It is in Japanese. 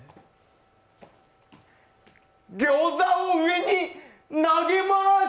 ギョーザを上に投げます！